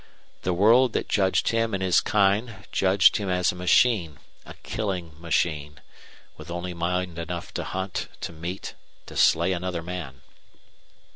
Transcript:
The world that judged him and his kind judged him as a machine, a killing machine, with only mind enough to hunt, to meet, to slay another man.